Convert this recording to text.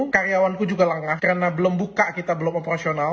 karyawanku juga lengah karena belum buka kita belum operasional